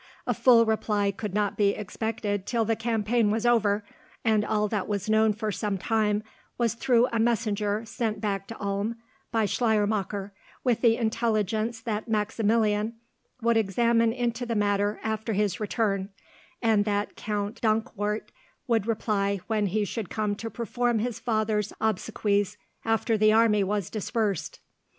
A full reply could not be expected till the campaign was over, and all that was known for some time was through a messenger sent back to Ulm by Schleiermacher with the intelligence that Maximilian would examine into the matter after his return, and that Count Dankwart would reply when he should come to perform his father's obsequies after the army was dispersed.